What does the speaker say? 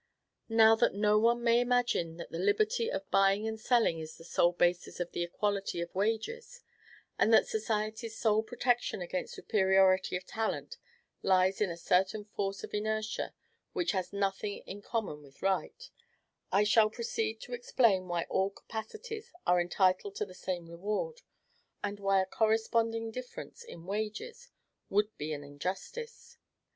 Now, that no one may imagine that the liberty of buying and selling is the sole basis of the equality of wages, and that society's sole protection against superiority of talent lies in a certain force of inertia which has nothing in common with right, I shall proceed to explain why all capacities are entitled to the same reward, and why a corresponding difference in wages would be an injustice.